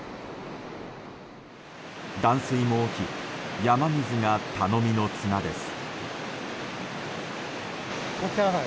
断水も起き山水が頼みの綱です。